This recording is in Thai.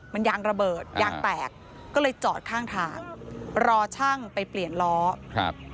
มันยางระเบิดยางแตกก็เลยจอดข้างทางรอช่างไปเปลี่ยนล้อครับ